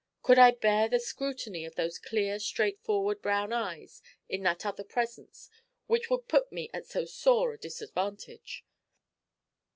Could I bear the scrutiny of those clear, straightforward brown eyes in that other presence, which would put me at so sore a disadvantage?